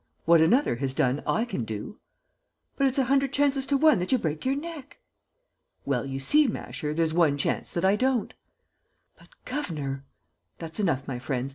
What another has done I can do." "But it's a hundred chances to one that you break your neck." "Well, you see, Masher, there's one chance that I don't." "But, governor...." "That's enough, my friends.